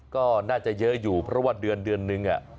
ก็น่าจะเยอะอยู่เพราะว่าเดือนเดือนนึง